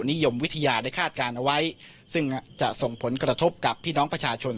นิยมวิทยาได้คาดการณ์เอาไว้ซึ่งจะส่งผลกระทบกับพี่น้องประชาชน